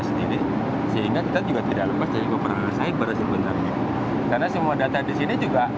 sendiri sehingga kita juga tidak lepas dari gubernur cyber sebenarnya karena semua data di sini juga